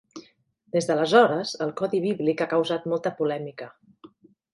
Des d'aleshores, el codi bíblic ha causat molta polèmica.